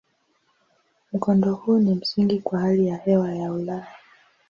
Mkondo huu ni msingi kwa hali ya hewa ya Ulaya.